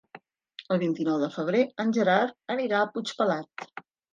El vint-i-nou de febrer en Gerard anirà a Puigpelat.